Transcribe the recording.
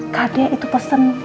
kade itu pesen